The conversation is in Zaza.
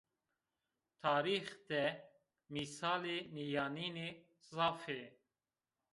Tarîx de mîsalê nîyanênî zaf ê